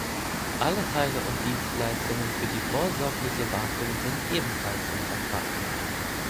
Alle Teile und Dienstleistungen für die vorsorgliche Wartung sind ebenfalls im Vertrag.